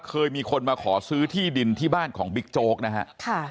เคยมีคนมาขอซื้อที่ดินที่บ้านของบิ๊กโจ๊กนะฮะ